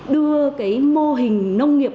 đưa mô hình nông nghiệp